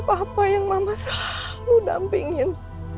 apa yang mama selalu dampingin